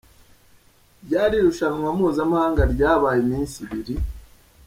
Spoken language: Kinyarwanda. Ryari irushanwa mpuzamahanga ryabaye iminsi ibiri .